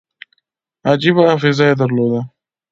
عجیبه حافظه یې درلوده.